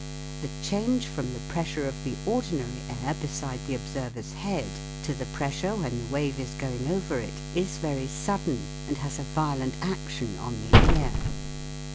The change from the pressure of the ordinary air beside the observer's head to the pressure when the wave is going over it is very sudden and has a violent action on the ear.